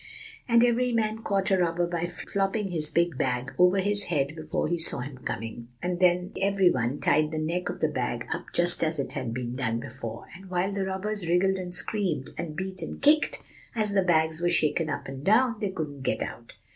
And every man caught a robber by flopping his big bag over his head before he saw him coming, and then they every one tied the neck of the bag up just as it had been done before, and while the robbers wriggled and screamed, and beat and kicked, as the bags were shaken up and down, they couldn't get out.